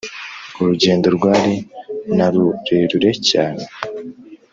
urugendo rwari narurerure cyane.